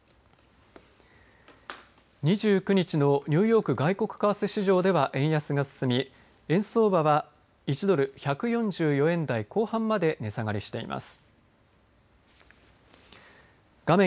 ２９日のニューヨーク外国為替市場では円安が進み円相場は１ドル１４４円台後半まで値下がりしています。